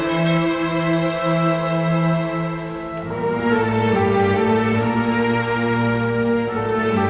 beraninya cuma kabur meninggalkan gelangka